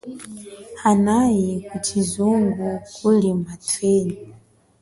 Hanayi kushizungu kuli mathenyi.